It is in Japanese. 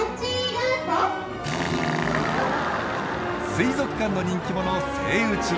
水族館の人気者セイウチ。